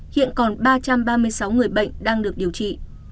hiện còn ba trăm ba mươi sáu người bệnh đang được điều trị